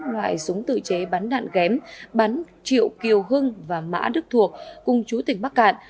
hai loại súng tự chế bắn đạn ghém bắn triệu kiều hưng và mã đức thuộc cùng chú tỉnh bắc cạn